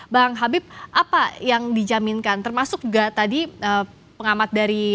bang habib apa yang dijaminkan termasuk juga tadi pengamat dari